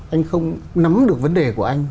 anh không nắm được vấn đề của anh